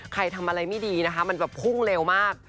ใครทำอะไรไม่ดีนะคะมันแบบพุ่งเร็วมาก